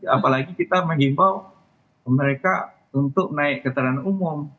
apalagi kita mengimbau mereka untuk naik kendaraan umum